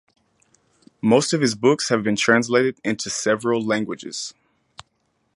Most of his books have been translated into several languages.